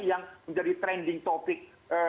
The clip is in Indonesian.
yang menjadi trending topic